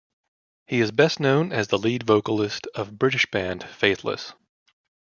He is best known as the lead vocalist of British band Faithless.